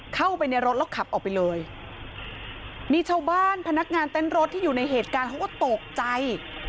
เข้าไปในรถแล้วขับออกไปเลยมีชาวบ้านพนักงานเต้นรถที่อยู่ในเหตุการณ์เขาก็ตกใจ